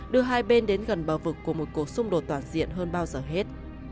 đưa hai bên đến gần bờ vực của một cuộc xung đột toàn diện hơn bao giờ hết